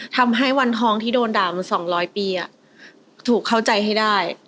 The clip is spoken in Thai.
ทำให้วันทองที่โดนด่ามัน๒๐๐ปีถูกเข้าใจให้ได้